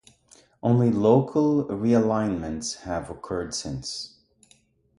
Only local realignments have occurred since.